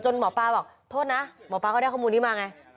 จนหมอปลาบอกโทษนะหมอปลาก็ได้คำวัตินี้มาไง